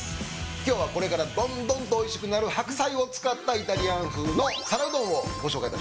今日はこれからどんどんと美味しくなる白菜を使ったイタリアン風の皿うどんをご紹介いたします。